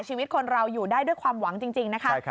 ชีวิตคนเราอยู่ได้ด้วยความหวังจริงนะคะ